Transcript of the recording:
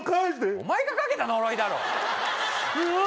お前がかけた呪いだろうわー！